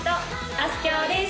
あすきょうです